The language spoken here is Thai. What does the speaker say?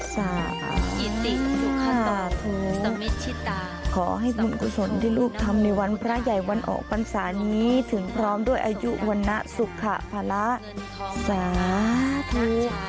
สาธุขอให้บุญกุศลที่ลูกทำในวันพระใหญ่วันออกปรรรษานี้ถึงพร้อมด้วยอายุวรรณสุขภาระสาธุ